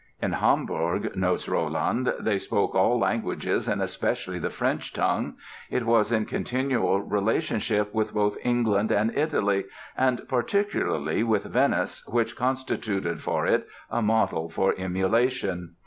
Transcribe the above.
In Hamburg, notes Rolland, "they spoke all languages and especially the French tongue; it was in continual relationship with both England and Italy, and particularly with Venice, which constituted for it a model for emulation.